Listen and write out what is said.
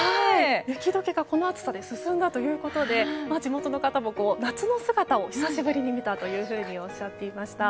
雪解けがこの暑さで進んだということで地元の方も夏の姿を久しぶりに見れたとおっしゃっていました。